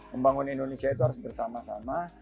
membangun indonesia itu harus bersama sama